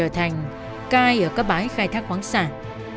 thành cai ở các bãi khai thác khoáng sản